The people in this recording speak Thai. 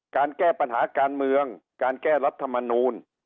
การแก้ปัญหาการเมืองการแก้รัฐมนูล